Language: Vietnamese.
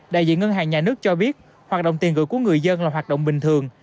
đại diện ngân hàng nhà nước cho biết hoạt động tiền gửi của người dân là hoạt động bình thường